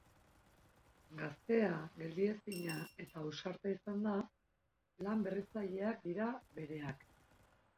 Gaztea, geldiezina eta ausarta izanda, lan berritzaileak dira bereak.